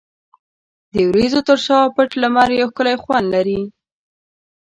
د وریځو تر شا پټ لمر یو ښکلی خوند لري.